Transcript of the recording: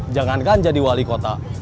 jangankan jadi wali kota